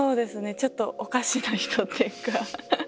ちょっとおかしな人っていうか。